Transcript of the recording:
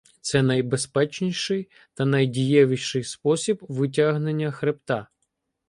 Це найбезпечніший та найдієвіший спосіб витягнення хребта.